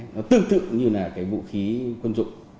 nó tương tự như là cái vũ khí quân dụng